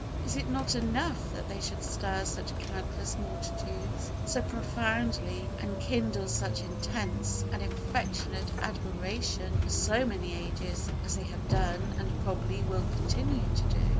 Is it not enough that they should stir such countless multitudes so profoundly and kindle such intense and affectionate admiration for so many ages as they have done and probably will continue to do?